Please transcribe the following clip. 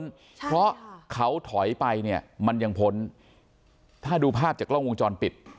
ใช่เพราะเขาถอยไปเนี่ยมันยังพ้นถ้าดูภาพจากกล้องวงจรปิด